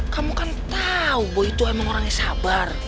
kamu kan tau boy itu emang orangnya sabar